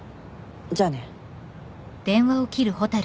じゃあね。